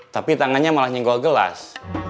tapi tangannya malah nyenggol gelas